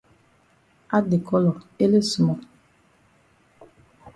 Add de colour ele small.